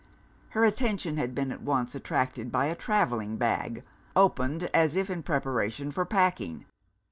Her attention had been at once attracted by a travelling bag, opened as if in preparation for packing.